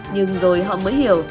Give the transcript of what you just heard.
nhưng rồi họ mới hiểu